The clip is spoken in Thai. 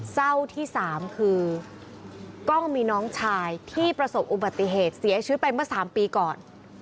เศร้าที่สามคือกล้องมีน้องชายที่ประสบอุบัติเหตุเสียชีวิตไปเมื่อ๓ปีก่อน